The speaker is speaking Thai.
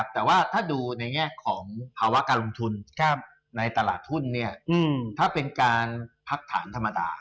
แต่ว่าถ้าดูในแง่ของภาวะการลงทุนในตลาดทุนถ้าเป็นการพักฐานธรรมดา